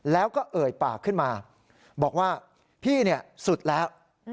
แล้วก็เอ่ยปากขึ้นมาบอกว่าพี่สุดแล้ว